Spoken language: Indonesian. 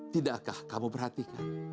tidakkah kamu perhatikan